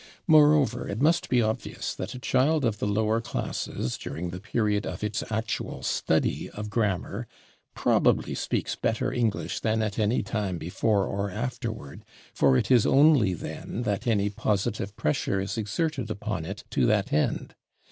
Moreover, it must be obvious that a child of the lower classes, during the period of its actual study of grammar, probably speaks better English than at any time before or afterward, for it is only then that any positive pressure is exerted upon it to that end.